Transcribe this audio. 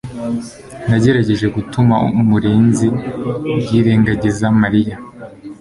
Nagerageje gutuma murenzi yirengagiza Mariya